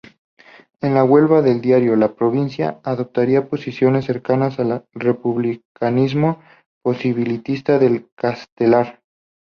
En Huelva el diario "La Provincia" adoptaría posiciones cercanas al republicanismo posibilista de Castelar.